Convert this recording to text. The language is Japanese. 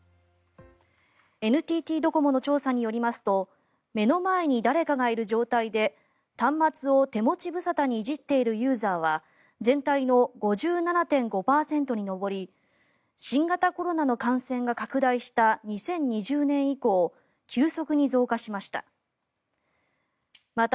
ＮＴＴドコモの調査によりますと目の前に誰かがいる状態で端末を手持ち無沙汰にいじっているユーザーは全体の５７．５％に上り新型コロナの感染が拡大した２０２０年以降急速に増加しました。